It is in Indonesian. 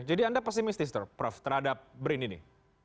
jadi anda pesimistis prof terhadap brin ini